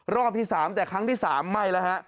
รอบที่๓แต่ครั้งที่๓ไม่แล้วฮะ